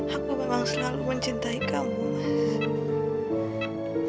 aku memang selalu mencintai kamu